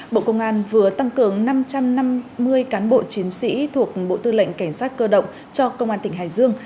bộ công an vừa tăng cường năm trăm năm mươi cán bộ chiến sĩ thuộc bộ tư lệnh cảnh sát cơ động cho công an tỉnh hải dương